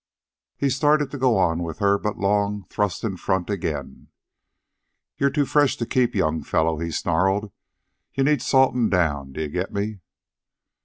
He started to go on with her, but Long thrust in front again. "You're too fresh to keep, young fellow," he snarled. "You need saltin' down. D'ye get me?"